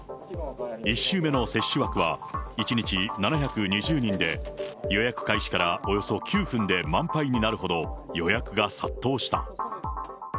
１週目の接種枠は１日７２０人で、予約開始からおよそ９分で満杯になるほど、予約が殺到した。